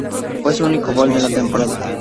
Fue su único gol de la temporada.